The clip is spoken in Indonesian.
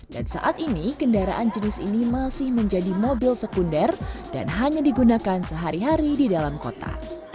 dan saat ini kendaraan jenis ini masih menjadi mobil sekunder dan hanya digunakan sehari hari di dalam kota